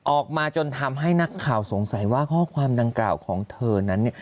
ออกมาจนทำให้นักข่าวสงสัยว่าข้อความดังกล่าวของเธอนั้น